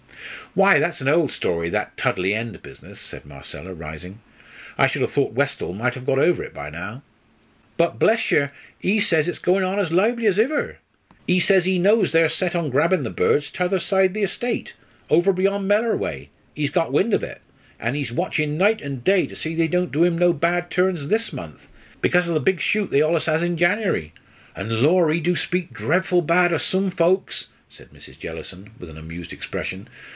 "Why, that's an old story that Tudley End business " said Marcella, rising. "I should have thought Westall might have got over it by now." "But bless yer, ee says it's goin' on as lively as iver. Ee says ee knows they're set on grabbin' the birds t'other side the estate, over beyond Mellor way ee's got wind of it an' ee's watchin' night an' day to see they don't do him no bad turn this month, bekase o' the big shoot they allus has in January. An' lor', ee do speak drefful bad o' soom folks," said Mrs. Jellison, with an amused expression.